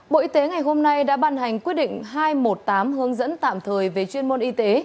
bộ y tế ngày hôm nay đã ban hành quyết định hai trăm một mươi tám hướng dẫn tạm thời về chuyên môn y tế